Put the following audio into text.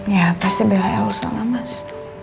ya pasti belai elsa sama mas